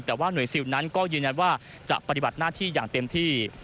แต่ว่าหน่วยซิลนั้นก็ยืนยันว่าจะปฏิบัติหน้าที่อย่างเต็มที่